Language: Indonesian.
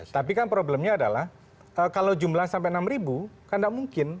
tapi kan problemnya adalah kalau jumlah sampai enam ribu kan tidak mungkin